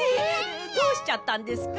どうしちゃったんですか？